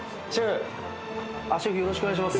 よろしくお願いします。